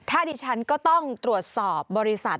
ถ้าดิฉันก็ต้องตรวจสอบบริษัท